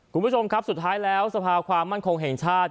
คุณผู้ชมครับสุดท้ายแล้วสภาความมั่นคงแห่งชาติ